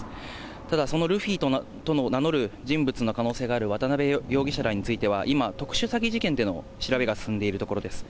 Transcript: ただ、そのルフィと名乗る人物の可能性がある渡辺容疑者らについては、今、特殊詐欺事件での調べが進んでいるところです。